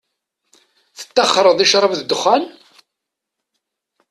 Tettaxxṛeḍ i ccṛab d dexxan?